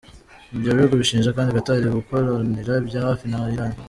Ibyo bihugu bishinja kandi Qatar gukoranira bya hafi na Irani.